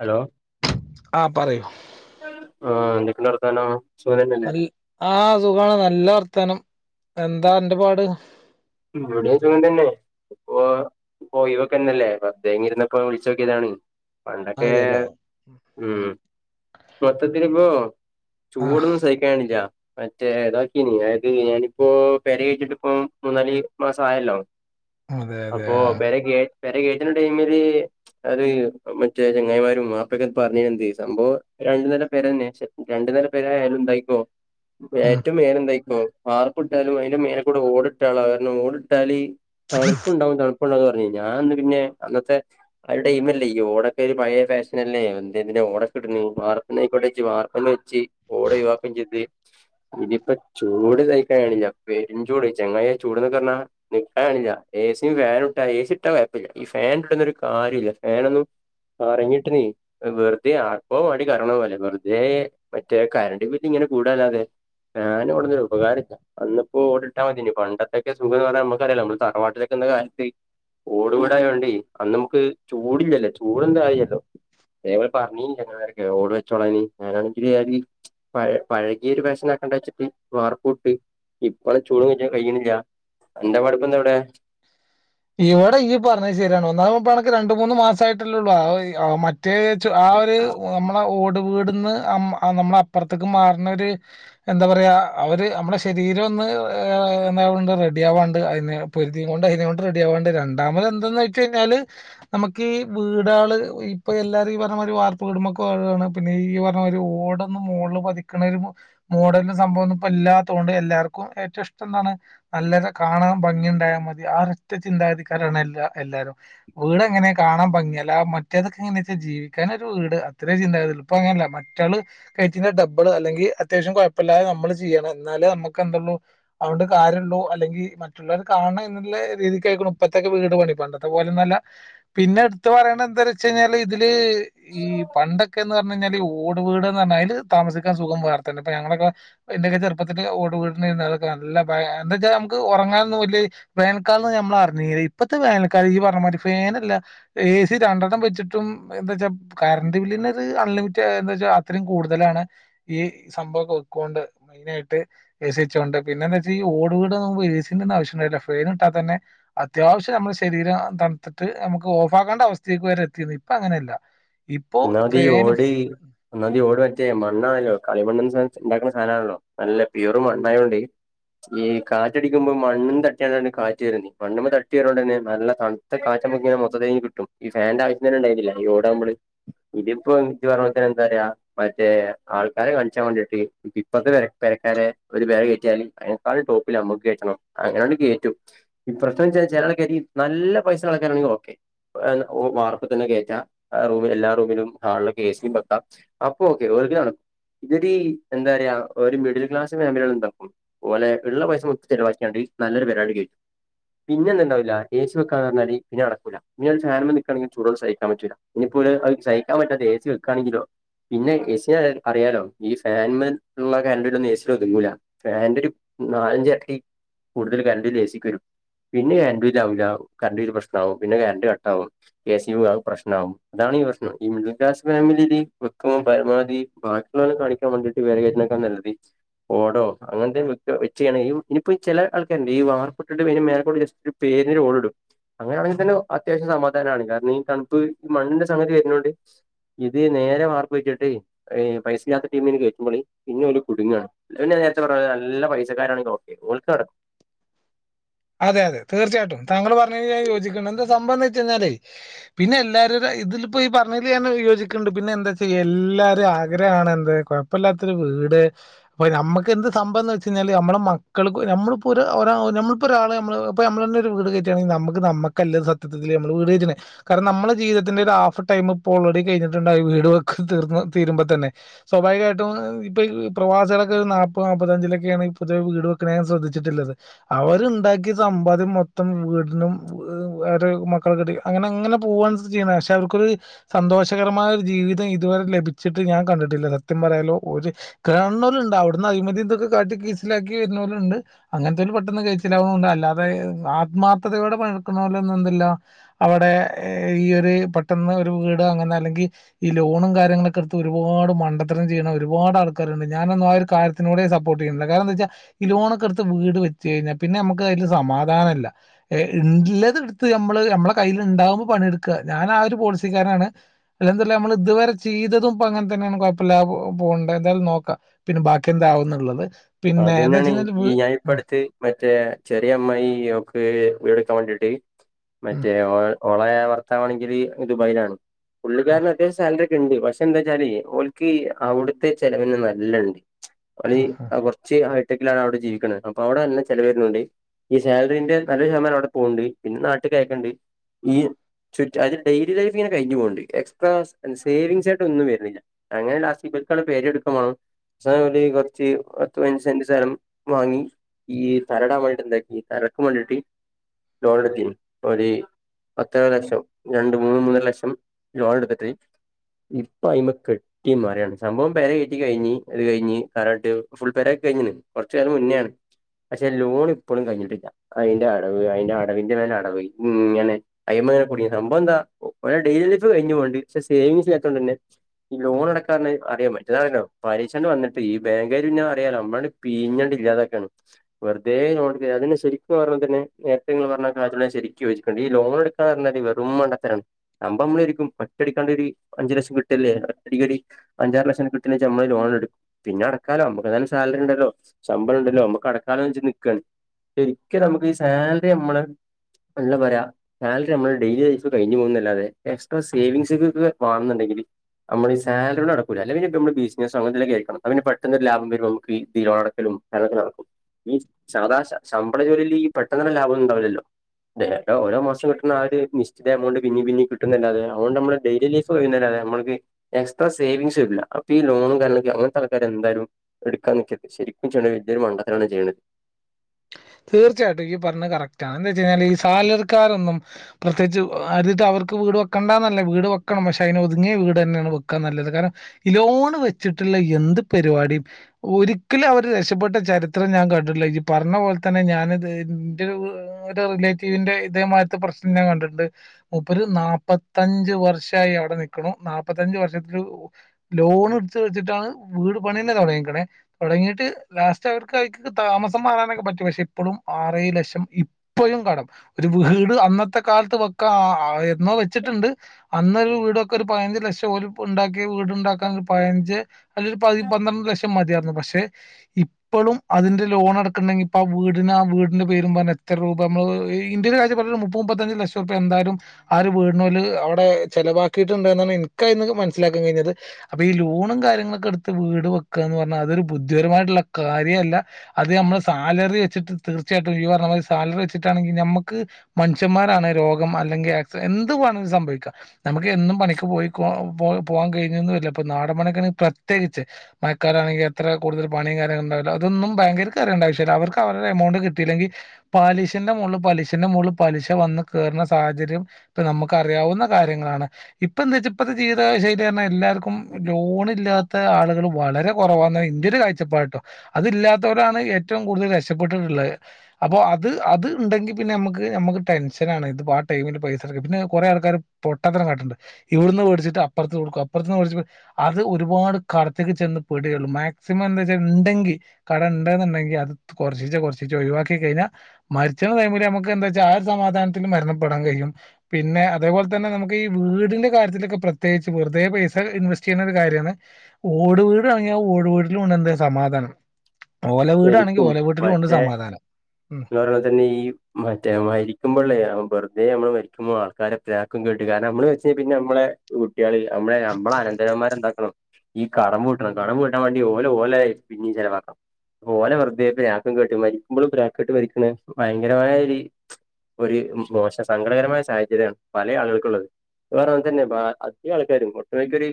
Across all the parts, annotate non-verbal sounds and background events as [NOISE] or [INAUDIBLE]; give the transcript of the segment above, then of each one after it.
Hello ആ പറയു ആഹ് എന്തൊക്കെണ്ട് വർത്താനം സുഖം തന്നെയല്ലേ അൽ ആ സുഗാണ് നല്ല വർത്താനം എന്താ അന്റെ പാട് ഇവിടേം സുഖം തന്നെ? ഓഹ് ഇപ്പൊ ഒഴിവൊക്കെന്നെല്ലേ? വെറുതെങ്ങ് ഇരുന്നപ്പം വിളിച്ചോക്കിയതാണ് പണ്ടൊക്കെ അതെല്ലേ ഉം മൊത്തത്തിലിപ്പോ ആഹ് ചൂടൊന്നും സഹിക്കാണില്ല. മറ്റേ ഇതാക്കീന്. അതായത് ഞാനിപ്പോ പേര കേറ്റീട്ടിപ്പോ മൂന്നാല് മാസായല്ലോ. അതെ അതെ അപ്പൊ ആഹ് പെര കേ പെര കേറ്റുന്ന ടൈമില് അത് മറ്റേ ചെങ്ങായിമാരും വാപ്പേക്കെ പറഞ്ഞരിന്തേ സംഭവം രണ്ടു നെല പെരന്നെ [UNINTELLIGIBLE] പെരയായാലും എന്തായിക്കോ ഉം ഏറ്റവും മേലെന്തായിക്കോ വാർപ്പിട്ടാലും അതിന്റെ മേലെകൂടെ ഓട് ഇട്ടാ ഒള്ളകാരണം ഓട് ഇട്ടാല് തണുപ്പുണ്ടാവും തണുപ് പുണ്ടാവുമെന്ന് പറഞ്ഞു, ഞാനന്ന് പിന്നെ അന്നത്തെ ആ ഒരു ടൈമല്ലേ? ഈ ഓടക്കെ ഒരു പഴയ ഫാഷൻ അല്ലേ? [UNINTELLIGIBLE] ഓടക്കെ ഇട്ടിന്. വാർക്കന്നെ ആയിക്കോട്ടെന്ന് വെച്ച് വാർപ്പ്ന്നെ വെച്ച് ഓട് ഒയിവാക്കേം ചെയ്ത് ഇതിപ്പ ചൂട് സഹിക്കാൻ കഴിയണി. പെരുംചൂട് ചങ്ങായിയെ ചൂട്ന്നൊക്കെ പറഞ്ഞാ നിയ്ക്കാകണില്ല. എ സീം ഫാനും ഇട്ടാ എ സി ഇട്ടാ കൊയപ്പ ഇല്ല. ഈ ഫാനിട്ടിട്ടൊന്നും ഒരു കാര്യല്ല. ഫാനൊന്നും പറഞ്ഞിട്ടിന് വെറുതെ ആർക്കോ വേണ്ടി കറങ്ങണ പോലെ, വെറുതെ മറ്റേ കരണ്ട് ബില്ലിങ്ങ നെ കൂടാല്ലാതെ ഫാന് കൊണ്ടൊന്നും ഉപകാര ഇല്ല, അന്നപ്പോ ഓടിട്ട മതിയായിനു, പണ്ട ക്കെ സുഖംന്ന് പറഞ്ഞാ നമ്മക്കറിയാലോ? നമ്മള് തറവാട്ടിലൊക്കെ നിന്ന കാലത്ത് ഓടുപുര ആയോണ്ടീ അന്ന് നമുക്ക് ചൂടില്ലല്ലോ? ചൂട്ന്തായിലോ ദേ ഇവടെ പറഞ്ഞിനാരൊക്കെയൊ ഓട് വെച്ചോളാനീ, ഞാനാണെങ്കില് കരുതി പഴ പഴയകീയ ഒരു ഫാഷൻ ആക്കാൻ [UNINTELLIGIBLE] വാർപ്പും ഇട്ടു. ഇപ്പളെ ചൂട്ന്ന് ച്ചാ കഴിയണില്ല. ഇന്റെ പഠിപ്പെന്താ ഇവിടെ ഇവിടെ ഇയ്യ് പറഞ്ഞത് ശരിയാണ്, ഒന്നാവുമ്പോ ഇപ്പോ നിനക്കു രണ്ടു മൂന്ന് മാസ ആയിട്ടല്ലേള്ളൂ. [UNINTELLIGIBLE] പ്രത്യേകിച്ച് ആ ഒരു നമ്മളെ ഓടും ഇവ്ടുന്നു നമ്മ നമ്മളപ്പുറത്തേക്ക് മാറുന്ന ഒരു എന്താ പറയാ ആ ഒരു നമ്മുടെ ശരീരം ഒന്ന് [UNINTELLIGIBLE] റെഡി ആവാണ്ട് അതിന് ധൃതിയും കൊണ്ട് അതിനെയും കൊണ്ട് റെഡി ആവാണ്ട് രണ്ടാമത് എന്താന്ന് വെച്ച് കഴിഞ്ഞാല് നമുക്ക് വീടാള് ഇപ്പൊ എല്ലാരും ഈ പറഞ്ഞ മാതിരി വാ ക്ക വീടുമേക്ക് മാറുവാണ് പിന്നെ ഈ പറഞ്ഞ മാതിരി ഓടൊന്നും മുകള് പതിക്കണ ഒരു മോഡലിന് സംഭവം ഒന്നും ഇപ്പോ ഇ ല്ലാത്തോണ്ട് എല്ലാവർക്കും ഏറ്റവും ഇഷ്ടം എന്താണ് നല്ല പോലെ കാണാൻ ഭംഗി ഉണ്ടായാൽ മതി ആ ഒരൊറ്റ ചിന്താഗതിക്കാരാണ് എല്ല എല്ലാരും വീട് എങ്ങനെയാ കാണാൻ ഭംഗി അല്ലാതെ മറ്റേതൊക്കെ യെന്ന് വെച്ചാ ജീവിക്കാനൊരു വീട് അത്രയേ ചിന്താഗതിയുള്ളു ഇപ്പം അങ്ങനയല്ല മറ്റാള് കയറ്റിയേന്റെ ഡബിള് അല്ലെങ്കിൽ അത്യാ വശ്യം കുഴപ്പില്ലാതെ നമ്മള് ചെയ്യണം എന്നാലേ നമുക്ക് എന്തുള്ളൂ അതുകൊണ്ട് കാര്യവുള്ളൂ അല്ലെങ്കിൽ മറ്റുള്ളവര് കാണണം എന്നുള്ള രീതിക്കായിക്കണു ഇപ്പത്തെയൊക്കെ വീട് പണി പണ്ടത്തെ പോലൊന്നുമല്ല പിന്നെ എടുത്ത് പറയണ്ടത് എന്താന്ന് വച്ചാൽ കഴിഞ്ഞാല് ഇതില് ഈ പണ്ടൊക്കെയെന്ന് പറഞ്ഞ് കഴിഞ്ഞാല് ഈ ഓട് വീട് എന്ന് പറഞ്ഞാല് അതില് തമസിക്കാൻ സുഖം വേറെ തന്നെയാ ഇപ്പോ ഞങ്ങളൊക്കെ എന്റെയൊക്കെ ചെറുപ്പത്തില് ഓട് വീട് [UNINTELLIGIBLE] എന്താ വച്ചാ നമക്ക് ഉറങ്ങാൻ [UNINTELLIGIBLE] വേനൽ കാലം എന്ന് പറഞ്ഞാൽ നമ്മൾ [UNINTELLIGIBLE] ഇപ്പത്തെ വേനക്കലം നീ പറഞ്ഞ മാതിരി ഫാൻ അല്ല എ സി രണ്ടെ വെച്ചിട്ടും എന്താച്ചാ കറണ്ട് ബില്ലിനത് അൺലിമിറ്റഡ് എന്താച്ചാ അത്രയും കൂടുതലാണ് ഈ സംഭവവൊക്കെ വെക്കോണ്ട് മെയിനായിട്ട് എ സി വച്ചുകൊണ്ട് പിന്നെന്താ വെച്ചാ ഈ ഓട് വീട് നമ്മള് എ സി ന്റെ ഒന്നും ആവശ്യമുണ്ടായില്ല ഫേൻ ഇട്ടാൽ തന്നെ അത്യാവശം നമ്മുടെ ശരീരം തണുത്തിട്ട് നമുക്ക് ഓഫാ ക്കേണ്ട അവസ്ഥ യിലേക്ക് വരെ എത്തിയിരുന്നു ഇപ്പൊ അങ്ങനെയല്ല ഇപ്പോ ഒന്നാമതെ ഈ ഫാന് ഓട് ഒന്നാമതെ ഈ ഓട് വെച്ചാൽ മണ്ണ് ആണല്ലോ കളിമണ്ണ് [UNINTELLIGIBLE] ഉണ്ടാക്കുന്ന സാധനാണല്ലോ നല്ല പ്യൂർ മണ്ണായകൊണ്ട് ഈ കാറ്റടിക്കുമ്പോ മണ്ണിൽ തട്ടിയാണല്ലോ കാറ്റ് വരുന്നേ മണ്ണുമേ തട്ടി വരുന്നകൊണ്ട് തന്നെ നല്ല തണുത്ത കാ മൊത്തത്തിൽ ഇങ്ങനെ കിട്ടും ഈ ഫാനിന്റെ ആവശ്യം തന്നെ ഉണ്ടായിരുന്നില്ല ഈ ഓടാകുമ്പോള് നമ്മള് ഇതിപ്പോ ഇത് പറണപോലെ തന്നെ എന്താ പറയാ മറ്റേ ആൾക്കാരെ കാണിച്ചാൻ വേണ്ടിട്ട് ഇപ്പറത്തെ പെര പെരക്കാര് ഒരു പെര കേറ്റിയാൽ അതിനേക്കാളും ടോപ്പില് നമ്മുക്ക് കേറ്റണം അങ്ങനെയങ്ങട്ട് കേറ്റും ഇപ്പറത്തെ [UNINTELLIGIBLE] നല്ല പൈസ മടക്കാനാണെങ്കിൽ ഓക്കേ വാർപ്പിൽ തന്നെ കേറ്റാം എല്ലാ റൂമിലും ഹാളിലൊക്കെ എ സിയും വെക്കാം അപ്പൊ ഓക്കെ [UNINTELLIGIBLE] ഇതൊര് എന്താ പറയയാ ഒരു മിഡിൽ ക്ലാസ് ഫാമിലികൾ ഉണ്ടാക്കുംപോലെ ഉള്ള പൈസ ഒ ചെിലവാക്കാണ്ട നല്ലര പേരാണ്ട് കേട്ടു പിന്നെ എന്ത്‌ണ്ടാവില്ല എ സി വെക്കാന്ന റഞ്ഞാല് പിന്നെ നടക്കൂല പിന്നെ ഫാൻ നിക്കാണെങ്കിൽ ചൂടു സഹിക്കാൻ പറ്റൂല ഇപ്പോ ഓല് അഹ് സയിക്കാൻ പറ്റാത്ത എ സി വെക്കയാണെങ്കിലോ പിന്നെ എ സിന അറിയാലോ ഈ ഫാൻമെ ള്ള കര്ണ്ട്ട് ന്നും എ സിൽ ഒതുങ്ങൂല ഫൻന്റെ ഒരു നാലഞ്ച രട്ടി കൂടുതൽ കരണ്ട് ദേഏ സി ക്ക് വരും പിന്നെ കര് ന്റ വില്ആക്കൂല കറണ്ട്ബില്ല് പ്രശ്നമാവും പിന്നെ കറണ്ട്റകട്ട ആാവും ഏ സി യു പ്രശ്നമാവും അതാണ് ഈ പ്രശ്ം മിഡിൽ ക്ലാസ്ഫാമിലിൽ വെക്കുമ്പ പരമാവധി ബാക്കിയുള്ളോലെ ള്ളും കാണിക്കൻവേണ്ടീട്ട് വേറെ ക കേ നൽതി ഓടോ അങ്ങൻത്തെ വെക്ക വെച്ചയ്യണെ ഇനിപ്പ ചെല ആൾക്കാരുണ്ട് ഈ വാർപ്പിട്ടിട്ട് മെയിന്മേലേക്കോള്ളു ജര്ചിട്ട് [UNINTELLIGIBLE] അങ്ങനാണെങ്കിൽ തന്നെ അത്യാവശ്യം സമാധാനണ് കാരണം ഈ തണുപ്പ് മണ്ണിന്റെ സംഗതി വരുന്നോണ്ട് ഇത് നേരെ മാർപ്പ വെച്ചിട്ട് പൈസില്ലാത്ത ടീമിന് കഴിച്ച്പളി പിന്നെ കുടുങ്ങാണ് പി ച്ചറ നല്ല പൈസക്കാരാണ ഒക്കെ ഓല്കട്ക്കു അതെ അതെ തീർച്ചയായിട്ടും താങ്കൾ പറഞ്ഞ കഴഞ്ഞഞാൻ യോിക്ക എന്താ സംഭവം എന്ന് വെച്ചച്ച് കഴിഞ്ഞാലേ പിന്നെ എല്ലാവരുടെ ഇതിലപ്പോ ഈ പറഞ്ഞതില് ഞാൻ യോജിക്കുന്നുണ്ട് പിന്നെ എന്താ ചെയ്യാ എല്ലാരും ആഗ്രഹണ് എന്ത കുഴപ്പമില്ലാത്തൊരു വീ വീട് അപ്പൊ നമ്മുക്ക് എന്ത് സംഭം എന്ന് വെച്ച കഴിഞ്ഞാല് നമ്മളെ മക്കൾ നമ്മളിപ്പോമ്മ ഇ ഒരാള് നമ്മള് ഇ നമ്മൾ തെ ഒരു വീട് കഴുണെങ്കിൽ നമു നുക്കല്ല സത്യത്തിത്തില് ന വീട് കഴ കണം നമ്മുടെീതം ത്തിന്റെ ഒരു ഹാഫ് ടൈം ഇപ്പോ ഓൾറെഡി കഴിഞ്ഞിട്ടുണ്ടായി വീട് വെക്ക് തീർന്ന് തീരുമ്പോ തന്നെ സ്വാഭാവികയിട്ട് ഇപ്പൊ ഈ പ്രവാസികളൊക്കെ നാപ്പത് നാപ്പഞ്ചിലൊക്കെയാണ് ഇപ്പോഴത്തെ വീട് വെക്കണ ൻ ശ്രദ്ധിച്ചിട്ടുള്ളത് അവർ ണ്ടാക്കിയ സമ്പാദ്യം മൊത്തം വീടിനും മക്കളെ കെട്ടിക്ക അങ്ങനെ അങ്ങനെ പോക പക്ഷെ അവർക്കൊരു സന്തോഷകരമായ ഒരു ജീവിതം ഇതുവരെ ലഭിച്ചിട്ട് ഞാൻ കണ്ടിട്ടില്ല സത്യം പറയാലോ കാൺണോലുണ്ട് അവിടുന്ന് അഴിമതിന്തൊക്കെ കാട്ടി കേസിലാക്കി വരുന്ന പോലുണ്ട് അങ്ങനത്തെ ഒരു പെട്ടെന്ന് കയിച് ല്ല അത ആത്മാർത്ഥതയോടെ പക്കുന്നലൊന്നും എന്തല്ല അവിടെ ഈ ഒരു പെട്ട വീട് അങ്ങനെ അല്ലെങ്കിൽ ഈ ലോണും കാര്യങ്ങളൊക്കെ എടുത്ത് ഒരുപാട് മണ്ടത്തരം ചെയ്യണം ഒരുപാ ആൾക്കാരുണ്ട് ഞാനന്നും ആ ഒരു കാര്യനോടെ സപ്പോർ് ചെയ്യണ്ട കാരണംന്താ വെച്ചാൽഈ ലോണക്കെടുത്ത് വീട് വെച്ച് കഴഞ്ഞാ പിന്നെ നമുക്ക് അതിൽ സമാധാനല്ലഎ ണ്ട് ഉള്ളത് എടുത്ത് നമ്മള് നമ്മളെ കയ്യിൽ ഉണ്ടാകുമ്പോൾപണിയെടുക്ക ഞാൻ ആ ഒരു പോളിസിക്കാരാണ് അല്ല എന്തല്ല നമ്മൾ ഇതുവരെ ചെയ്തും ഇപ്പ അങ്ങനെ തന്നെയാണ് കുഴപ്പില്ല പോ ണ്ടായിര്ന്നേലും നോക്കാം പിന്നെ ബാക്കി എന്താകുന്നുുള്ളത് അതെ ന്നേണ് ഈ ഞാൻ ഇപ്പ അടുത്ത് മ മറ്റേ ചെറിയ അമ്മായി ഒക്ക് വീടെടുക്കാൻ വേണ്ടിട്ട് ഉം മറ്റേ ഓളർ വാണെങ്കിൽ ദുബായിലാണ് ആ പുള്ളിക്കാരന് അത്യാവശ്യ സാലറി ണ്ട് പക്ഷെ എന്താ വെച്ചാല് ഓൽക്ക് അവിടുത്തെ ചെലവന്നെ നല്ലണ്ട് അ ഹ ച്ച് ഹയ്ടെക്കിലാണ് അവിടെ ജീവിക്കുന്നത് അപ്പൊ അവിടെല്ല ചിലവരരുന്നുണ്ട് ഈ സാലറിന്റെ നല്ലരു ശതമാനം അവിടെ പോവ്ണ്ട് പിന്നെ നാട്ട് കയക്കണ്ട് ഈ ചുറ്റ് അൽ ഡെയിലി ലൈഫ് ഇങ്ങന കഴിഞ്ഞു പോകണ്ട് എക്സ്ട്രാ സേവിസ്ായിട്ട് ഒന്നും വരുന്നില്ല അങ്ങനെ ലാസ് ൽകാടെ പേര്ടുക്കും മാണം കുറച്ച് പത്ത് പയിനന്ജ് സെന്റ് സ്ഥലം വാങ്ങി ഈ തരടാൻ വേണ്ടി്ന്താക്കി തരക്ക് വേണ്ടിട്ട് ലോഡത്തിൻ ഒരു പത്തേ ലക്ഷം രണ്ട മൂന്ന് മൂന്നര ലക്ഷം ലോൺ എടുത്തിട്ട് ഇപ്പ അയി്മ കെട്ടി മാറിയാണ് സംഭവം പേരെ കെട്ടി കഴിഞ് അത് കഴിഞ്ഞ് തരട്ട് ഫുൾ പരക്കി കഴിഞ്ണ് കുറച്ച കാലം മുന്നെണ് പക്ഷെ ലോൺ ഇപ്പോഴും കഴിഞ്ഞിട്ടില്ല അയിന്റെ അടവ് അയിന്റെ അടവിന്റെ നല അടവ് ഉ ഇങ്ങനെ ആയി സംഭവ എന്താ ഡെയിലി ലൈഫ് കഴിഞ്ഞ പോണ്ട് സേവിങ്ത്തണ്ട് തന്നെ ഈ ലോൺ അടക്കാ അറിയൻ പറ്റാല്ലോ പലിശന് വന്നിട്ട് ഈ ബാങ് അറിയാലോ നമ്മ പിഞ്ഞണ്ട് ഇല്ലാതൊക്കെയാണ് വെറുതെ നോ അെ ശരിക്കും പറഞ്ഞന്നെ നേർത്തെ ങ്ങള് പറഞ്ഞ ആ കാര്യംഞാ ശരിക്യോജിക്കുണ്ട് ഈ ലോൺ എടുക്കാർഞ വെറുംമണ്ടത്തരാണ് അമ്പ മ്മരിക്കും പട്ട ക്കാണ്ടരി ഒരു അഞ്ച് ലക്ഷം കിട്ടല്ലേ അടി അഞ്ചാു ലക്ഷം കിട്ട നമ്മള് ലോൺ എടുക്കും പിന്നെട ക്കാലോ ഏതാലു സാലറി ണ്ടല്ലോ ശമ്പളണ്ടല്ലോ നമ്മക്ക്‌ അടക്കാലോ വെച്ച് നൽക്കാണ് ശരിക്കും നമുക്ക് ഈ സാലറി നമ്മള് ഇള്ളെ പറിയാ സാലറി നമ്മള് ഡെയിലി ലൈഫ് കഴിഞ്ഞ് പോവുന്നല്ലാതെ എക്സ്ട്രാ സേവിങ്സ്ക്കൊക്കെ വാണന്ന്ണ്ടെങ്കില് നമ്മളെ ഈ സാലറി നടക്കൂല അല്ലേ പിന്നെ [UNINTELLIGIBLE] ബിസിനസൊ അങ്ങന്തേലൊക്കെ ആയിരിക്കണം [UNINTELLIGIBLE] ത്തിന്റെ ലാഭം വരും നമ്മക്ക് ഈ [UNINTELLIGIBLE] ലോണടക്കലും അതൊക്കെ നടക്കും ഈ സാദാ ശ ശമ്പള ജോലിയില് ഈ പെട്ടെന്നന്നെ ലാഭൊന്നു ഇണ്ടാവുല്ലല്ലോ നേരത്തെ ഓരോ മാസം കിട്ടുന്ന ആ ഒര് നിശ്ചിത എമൗണ്ട് പിന്നിം പിന്നിം കിട്ടുന്നല്ലാതെ അവോണ്ടമ്മളെ ഡെയിലി ലൈഫ് [UNINTELLIGIBLE] ഏഹ് നമ്മൾക്ക് ഈ എക്സ്ട്രാ സേവിംഗ്സ് വര്ല്ലാ അപ്പ ഈ ലോണും കാര്യങ്ങളൊക്കെ അങ്ങത്താൾക്കാര് എന്തായാലും എട്ക്കാൻ നോക്കിയത് ശരിക്കും [UNINTELLIGIBLE] മണ്ടത്തരാണ് ഞാൻ ചെയ്യ്ണേ തീർച്ചയായിട്ടും ഇയ്യ് പറ്ഞ്ഞെ കറക്റ്റാ എന്തോയിച്ചഞ്ഞാല് ഈ സാലറിക്കാരൊന്നും പ്രത്യേയിച്ച് ഓഹ് അര്താ ഓല്ക്ക് വീട് വെക്കണ്ടാന്നല്ല വീട് വെക്കണം പക്ഷെ അയിന്ന് ഒതുങ്ങിയ വീടെന്നേണ് വെക്കാൻ നല്ലത് കാരണം ഈ ലോണ് വെച്ച് ട്ട്ള്ളയെന്ത് പരിവാടിം ഒരിക്കലും അവര് രക്ഷപ്പെട്ട ചരിത്രം ഞാൻ കണ്ടിട്ടില്ല ഇയ്യ് പറ്ഞ്ഞ പോല് ത്തന്നെ ഞാന് ഇത് ഇന്റെ ഒ ഒരു റിലേറ്റീവിന്റെ ഇതേമായിത്തെ പ്രശ്നം ഞാൻ കണ്ടിട്ട്ണ്ട് മുപ്പര് നാപത്തഞ്ച് വർഷായി അവിടെ നിക്ക്ണു നാപ്പത്തഞ്ചു വർഷത്തില് ഓഹ് ലോണ് ഇട്ത്ത് വച്ചി ട്ടാണ് വീട് പണിയന്നെ തൊടങ്ങീക്ക്ണെ തൊടങ്ങീട്ട് ലാസ്റ്റ് അവര്ക്ക് അയ്ക്ക് താമസം മാറാനൊക്കെ പറ്റി പക്ഷേ ഇപ്പളും ആറേഴ് ലക്ഷം ഇപ്പഴും കടം ഒരു വീട് അന്നത്തെ കാലത്ത് വെക്കാ ആഹ് എന്നോ വെച്ചിട്ട്ണ്ട് അന്നൊരു വീട് വെക്കാ ഒരു പയിനഞ്ച് ലക്ഷം ഓല്പ്പം ഇണ്ടാ ക്കിയ വീട്ണ്ടാക്കാൻ ഒരു പയ്നഞ്ച് അല്ലേല് പതി പന്ത്രണ്ട് ലക്ഷം മതിയാര്ന്നു പക്ഷേ ഇപ്പളും അതിന്റെ ലോണട്ക്ക്ണ്ടെങ്കി അപ്പ വീട്ന് ആ വീടിന്റെ പേരും പറ്ഞ്ഞ എത്ര രൂപ അമ്മള് ഈ ഇന്ത്യയിലെ [UNINTELLIGIBLE] മുപ്പത് മുപ്പത്തഞ്ച് ലക്ഷം ഉറുപ്യാ എന്തായാലും ആ ഒരു വീടിനോല് അവടെ ചെലവാക്കിട്ടുണ്ട്ന്നാണ് ഇന്ക്കയിന്ന് മന്സ്സിലാക്കാൻ കഴിഞ്ഞത്. അപ്പൊ ഈ ലോണ് [UNINTELLIGIBLE] കാര്യങ്ങളൊക്കെ ഇട്ത്ത് വീട് വെക്കാന്ന് പറ്ഞ്ഞാ അതൊരു ബുദ്ധിപരമായിട്ടുള്ള കാര്യേയല്ല അത് നമ്മളെ സാ അലറി വെച്ചിട്ട് തീർച്ചയായിട്ടും ഇയ്യ് പറ്ഞ്ഞമാതിരി സാലറി വെച്ചിട്ടാണെങ്കി ഞമ്മക്ക് മനുഷ്യമാരാണ് രോഗം അല്ലെ ഗ്യാസ് എന്ത് വാണങ്കിലും സംഭവിക്ക ഞമ്മക്ക് എന്നും പണിക്ക് പോയിക്കോണം പോവല് പോവാം കഴിഞ്ഞന്നു വര്ല്ല ഇപ്പ നാടൻ പ ണിക്കാണേ പ്രത്യേകിച്ച് മഴക്കാലാണെങ്കി അത്ര കൂട്തല് പണികാര്യങ്ങളും ഇണ്ടാവുല്ലാ അതൊന്നും ബാങ്കാര്ക്കറിയേണ്ട ആവശ്യ ട്ട്ല്ലാ അവർക്ക് അവരുടെ എമൗണ്ട് കിട്ടയില്ലെങ്കി പലിശന്റെ മോള്ല് പലിശന്റെ മോളല് പലിശ വന്ന് കേറ്ണ സാ ഹചര്യം ഇപ്പ ഞമ്മക്ക് അറിയാവുന്ന കാര്യങ്ങളാണ്. ഇപ്പൊ എന്താച്ചാ ഇപ്പത്തെ ജീവിതകാല ശൈലിയർഞ്ഞാ എല്ലാരും ക്കും ലോൺ ഇല്ലാത്ത ആളുകള് വളരെ കൊറവിന്നാ ഇൻ്റൊരു കാഴ്ച്ചപ്പാട്ട്ടോ അതില്ലാത്തോരാണ് ഏ റ്റവും കൂടുതൽ രക്ഷപ്പെട്ട് ട്ട്ള്ളത് അപ്പോ അത് അത് ഇണ്ടെങ്കി പിന്നെ നമുക്ക് നമക്ക് ടെൻഷൻ ആണ് ഇത് പ്പ ടൈമില് പൈസടക്ക പിന്നെ കൊറെ ആൾക്കാര് പൊട്ടത്തരം കാട്ട്ണ്ട് ഇവിട്ന്ന് വേട്ച്ചിട്ട് അപ്പർത്ത് കൊടുക്കും അപ്പർത്ത്ന്ന് വേട്ച്ച്ട്ട് അത് ഒരുപാട് കടത്ത്ക്ക് ചെന്ന് പെടേള്ളൂ മാക്സിമം എന്താച്ചാ ഇണ്ടെങ്കി കടം ഇണ്ട്ന്ന്ണ്ടെങ്കി അ ത് കൊറച്ചീച്ചെ കൊറച്ചീച്ചേ ഒഴിവാക്കി കഴിഞ്ഞാ മരിച്ച്ണ ടൈമില് നമുക്കെന്താച്ചാ ആ ഒരു സമാധാനത്തില് മരണപ്പെടാൻ ക യ്യും പിന്നെ അതേപോലെ തന്നെ നമുക്കീ വീടിന്റെ കാര്യത്തിലൊക്കെ പ്രത്യേകിച്ച് വെറ്തെ പൈസ ഇൻവെസ്റ്റ് ചെയ്യ്ണ കാര്യാണ് ഓട് വീടാണങ്ങി ആ ഓട് വീട്ടിലും ഉണ്ട് എന്ത് സമാധാനം ഓല വീടാണെ ഉം മറ്റേ ഇങ്ങറ്യ തന്നെ ഈ മറ്റേ മരിക്കുമ്പള്ളയാമ്പർ ഇതേ നമ്മള് മരിക്കുമ്പൊ ആൾക്കാരെ പ്രാക്കും കേട്ട് കാരണം നമ്മള് വെച്ചത് പിന്നെ ഞമ്മളെ കുട്ട്യാള് അമ്മളെ നമ്മള അനന്തരവൻമാരെന്താ ക്കണം ഈ കടം വീട്ടണം കടം വീട്ടാൻ വാണ്ടി ഓല് ഓലതേറ്റ് പിന്നിം ചെലവാക്കണം. ഓലെ വെറ്തെ പ്രാക്കും കേട്ട് മരിക്കുമ്പളും പ്രാക്ക് കേട്ട് മരിക്ക്ണെ ഭയങ്കരമായ ഒര് ഒരു മോശ സങ്കടകരമായ സാഹചര്യമാണ് പല ആളുകൾക്കുള്ളത് വേറെങ തന്നെ ബാ അധിക ആൾക്കാരും ഒട്ടുമിക്കര്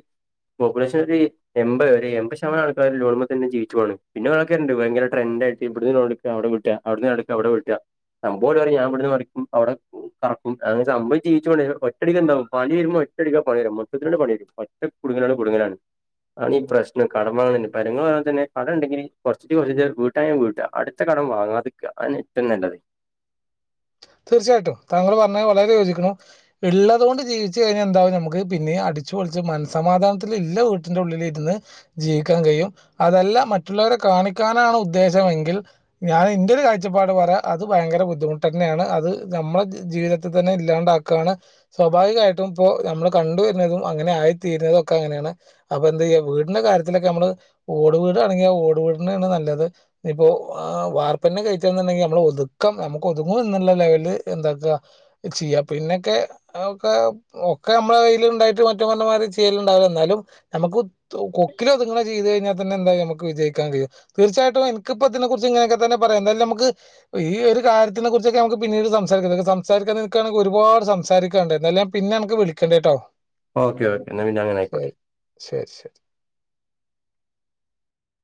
പോപ്പുലേഷൻ ഒരു എൺപത് ഒരു എൺപത് ശതമാനം ആൾക്കാര് ലോണ് മ്മെ തന്നെ ജീവിച്ചു പോണ് പിന്നെ വേറാൾക്കാര്ണ്ട് ഭയങ്കര ട്രെൻഡ് ആയിട്ട് ഇബ്ട്ന്ന് ലോണ്‌ട്ക്ക അവടെ വീട്ട അവ്ട്ന്ന് ലോണ് ട്ക്ക ഇവടെ വീട്ട സംഭവം ഓല് പറിം ഞാൻ ഇവിട്ന്ന് മറിക്കും അവടെ കിറക്കും അങ്ങനെ സംഭവം ജീവിച്ചു പോണ്ടേ [UNINTELLIGIBLE] ഒറ്റടിക്ക് എന്താവും പണി വരുമ്പൊ ഒ റ്റടിക്കാ പണി വരാ മൊത്തത്തിലണ്ട് പണി വരരും ഒറ്റ കുടുങ്ങങ്ങലാണ്ട് കുടുങ്ങലാണ്. ആണീ പ്രശ്‌നം കടം വാങ്ങ്ണന്നെ പെര [UNINTELLIGIBLE] തന്നെ കടം ഇണ്ടെങ്കില് കൊറച്ചിച്ചെ കൊറച്ചിച്ചെ വീട്ടായെം വീട്ടാ അടുത്ത കടം വാങ്ങാത്ക്ക അതന്നെ ഏറ്റവും നല്ലത്. തീർച്ചയായിട്ടും താങ്കൾ പറഞ്ഞത് വളരെ യോജിക്ക്ണു ഇള്ളതോണ്ട് ജീവിച്ച് കഴിഞ്ഞാ എന്താവും നമുക്ക് പിന്നി അടി ച്ച് പൊളിച്ച് മനസമാധാനത്തില് ഇല്ല വീട്ടിൻ്റെ ഉള്ളില് ഇരുന്ന് ജീവിക്കാൻ കയ്യും അതല്ല മറ്റുള്ളവരെ കാണിക്കാനാണ് ഉദ്ദേശമെങ്കിൽ ഞാൻ എന്റെഒരു കാഴ്ചപ്പാട് പറയാ അത് ഭയങ്കര ബുദ്ധിമുട്ട്ന്നെയാണ്. അത് നമ്മുടെ ജീവിതത്തിൽ തന്നെ ഇല്ലാണ്ടാക്കാണ് സ്വാഭാവികായിട്ടും ഇപ്പോ നമ്മള് കണ്ടുവരുന്നതും അങ്ങനെ ആയി തീരുന്നതൊക്കെ അങ്ങനെയാണ് അപ്പൊ എന്തായ്യും വീടിന്റെ കാര്യത്തിലൊക്കെ നമ്മള് ഓട് വീടാണെങ്ക ഓട് വിട്ന്നെന്നെ നല്ലത് ഇപ്പോ ആഹ് വാർപ്പന്നെ കഴിച്ചൻന്ന്ണ്ടെങ്കിൽ അമ്മള് ഒതുക്കാം അമുക് ഒത്ങ്ങോ ന്ന്ള്ള ലെവല് എന്താക്ക ചെയ്യ പിന്നൊക്കെ അഒക്കെ ഒക്കെ നമ്മള കയില് ണ്ടെ ഏറ്റ് മറ്റവർഞമാതി ചെയ്യലുണ്ടാവില്ലന്നാലും നമുക്ക് തൊ കൊക്കിലുതുങ്ങുന്ന ചെയ്ത് കഴിഞ്ഞാൽതെന്നെ എന്തായി ഞമ്മക് വിജ ഇക്കറിയ തീർച്ചായിട്ടും എനിക്കിപ്പ തിനെ കുറിച്ച് ഇങ്ങനൊക്കെ തന്നെ പറയാ എന്തായാലും നമുക്ക് ഈ ഒരു കാര്യത്തിനെ കുറി ചൊക്കെ മക്ക് പിന്നീട് സംസാരിക്ക സംസാരിക്കാൻ നിക്കാണെ ഒരുപാട് സംസാരിക്കാണ്ട് എന്തായാലും ലെ പിന്നെമക്ക് വിളിക്കണ്ട്ട്ടോ ഓക്കെ ഓക്കെ എന്നാ പിന്നെ അങ്ങനെ ആയിക്കോട്ടെ ശരി ശരി ശരി